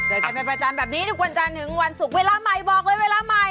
เจอกันเป็นประจำแบบนี้ทุกวันจันทร์ถึงวันศุกร์เวลาใหม่บอกเลยเวลาใหม่